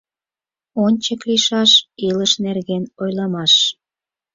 Ончык лийшаш илыш нерген ойлымаш